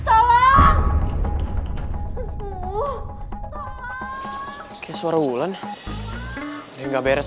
oke oke oke tapi lu minggir ya